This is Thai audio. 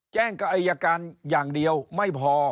กับอายการอย่างเดียวไม่พอ